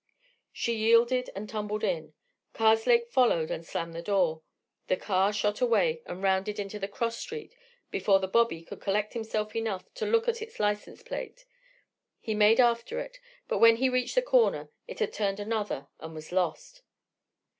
She yielded and tumbled in. Karslake followed and slammed the door. The car shot away and rounded into the cross street before the bobby could collect himself enough to look at its license plate. He made after it, but when he had reached the corner it had turned another and was lost.